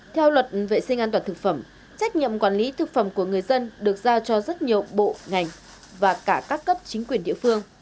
theo luật vệ sinh an toàn thực phẩm trách nhiệm quản lý thực phẩm của người dân được giao cho rất nhiều bộ ngành và cả các cấp chính quyền địa phương